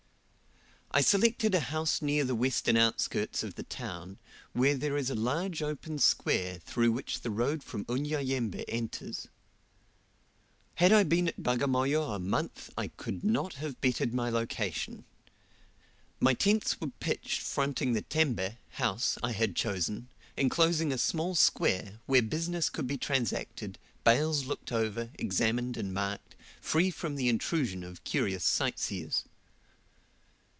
I selected a house near the western outskirts of the town, where there is a large open square through which the road from Unyanyembe enters. Had I been at Bagamoyo a month, I could not have bettered my location. My tents were pitched fronting the tembe (house) I had chosen, enclosing a small square, where business could be transacted, bales looked over, examined, and marked, free from the intrusion of curious sightseers.